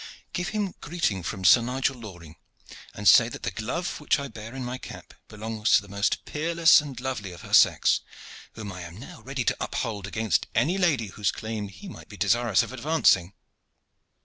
Give him greeting from Sir Nigel Loring, and say that the glove which I bear in my cap belongs to the most peerless and lovely of her sex, whom I am now ready to uphold against any lady whose claim he might be desirous of advancing."